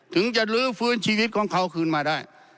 ถึงจะลื้อฟื้นชีวิตของเขาคืนมาได้